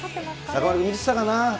中丸君、見てたかな。